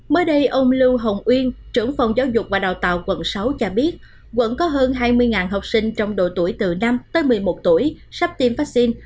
mới đây ông lưu hồng uyên trưởng phòng giáo dục và đào tạo quận sáu cho biết quận có hơn hai mươi học sinh trong độ tuổi từ năm tới một mươi một tuổi sắp tiêm vaccine